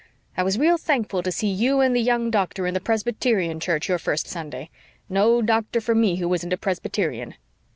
I was real thankful to see you and the young Doctor in the Presbyterian church your first Sunday. No doctor for me who isn't a Presbyterian."